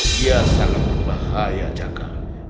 dia sangat berbahaya jakar